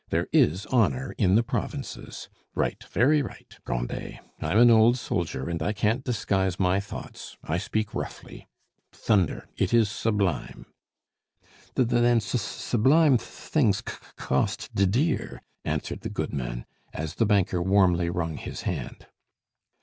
There is honor in the provinces! Right, very right, Grandet. I'm an old soldier, and I can't disguise my thoughts; I speak roughly. Thunder! it is sublime!" "Th then s s sublime th things c c cost d dear," answered the goodman, as the banker warmly wrung his hand.